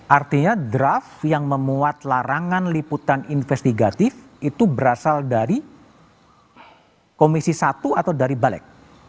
artinya draft yang memuat larangan liputan investigatif itu berasal dari komisi satu atau dari balik